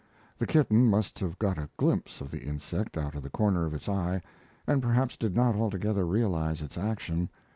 The kitten must have got a glimpse of the insect out of the corner of its eye, and perhaps did not altogether realize its action.